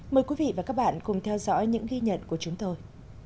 mời quý vị và các bạn cùng theo dõi những ghi nhận của chúng tôi